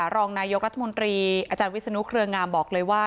รองนายกรัฐมนตรีอาจารย์วิศนุเครืองามบอกเลยว่า